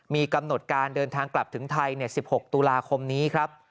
มีกำหนดการเดินทางกลับถึงไทย๑๖ตุลาคมนี้ครับ